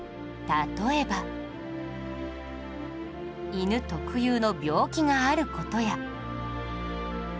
例えば犬特有の病気がある事や